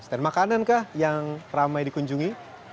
stand makanan kah yang ramai dikunjungi